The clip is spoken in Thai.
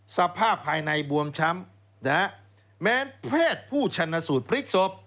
สภาพภายในบวมช้ำนะฮะแม้แพทย์ผู้ชนสูตรพลิกศพ